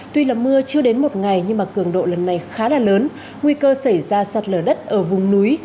tuy là mưa chưa đến một ngày nhưng mà cường độ lần này khá là lớn nguy cơ xảy ra sạt lở đất ở vùng núi